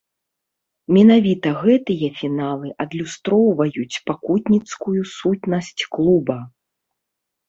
Менавіта гэтыя фіналы адлюстроўваюць пакутніцкую сутнасць клуба.